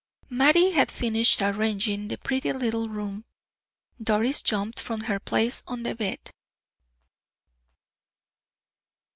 Mattie had finished arranging the pretty little room. Doris jumped from her place on the bed.